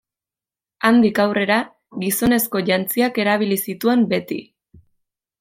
Handik aurrera gizonezko jantziak erabili zituen beti.